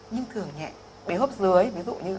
nhưng thường nhẹ bệnh hốp dưới ví dụ như